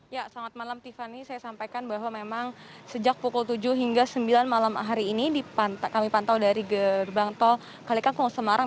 ya selamat malam tiffany saya sampaikan bahwa memang sejak pukul tujuh hingga sembilan malam hari ini kami pantau dari gerbang tol kalikangkung semarang